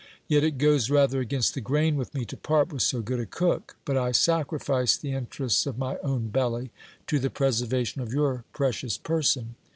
Yet it goes rather against the grain with me to part with so good a cook ; but I sacrifice the interests of my own belly to the preservation of your precious person.